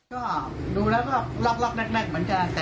ก็ดูแล้วก็ล็อกแรกเหมือนกัน